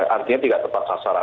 artinya tidak tepat hasil